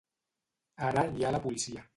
Ara hi ha la policia.